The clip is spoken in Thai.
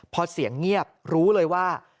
พอเสียงเงียบรู้เลยว่า